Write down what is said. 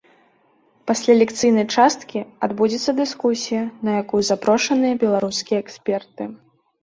Пасля лекцыйнай часткі адбудзецца дыскусія, на якую запрошаныя беларускія эксперты.